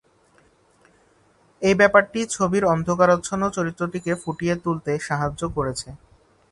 এই ব্যাপারটি ছবির অন্ধকারাচ্ছন্ন চরিত্রটিকে ফুটিয়ে তুলতে সাহায্য করেছে।